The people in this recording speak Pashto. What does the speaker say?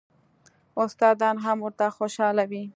استادان هم ورته خوشاله وي.